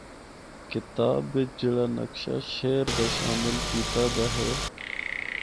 کتاب بچ جڑا نقشہ شہر دا شامل کیتا دا ہے۔